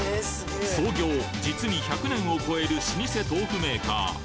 創業実に１００年を超える老舗豆腐メーカー